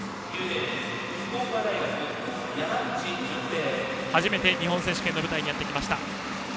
山口純平は初めて日本選手権の舞台にやってきました。